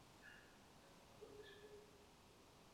তাদের বেশিরভাগই অত্যাচার, নিপীড়ন বা হত্যার শিকার হন।